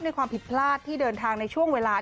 ความผิดพลาดที่เดินทางในช่วงเวลา